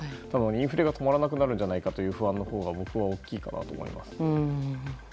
インフレが止まらなくなるんじゃないかという不安のほうが僕は大きいかなと思います。